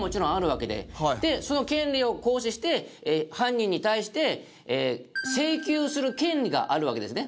でその権利を行使して犯人に対して請求する権利があるわけですね。